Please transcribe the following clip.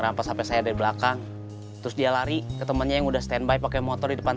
nampak sampai saya dari belakang terus dia lari ke temennya yang udah standby pakai motor di depan